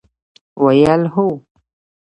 ویل: هو!